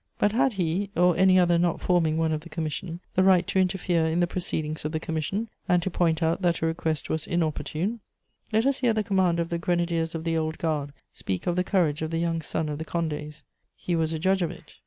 But had he, or any other not forming one of the commission, the right to interfere in the proceedings of the commission, and to point out that a request was "inopportune"? Let us hear the commander of the Grenadiers of the Old Guard speak of the courage of the young son of the Condés; he was a judge of it: [Sidenote: The Duc D'Enghien's courage.